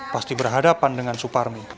pasti berhadapan dengan suparmi